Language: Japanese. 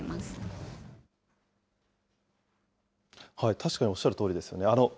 確かにおっしゃるとおりですよね。